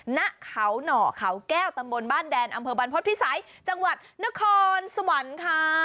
ณเขาหน่อเขาแก้วตำบลบ้านแดนอำเภอบรรพฤษภิษัยจังหวัดนครสวรรค์ค่ะ